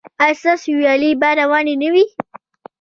ایا ستاسو ویالې به روانې نه وي؟